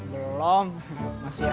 belom masih sma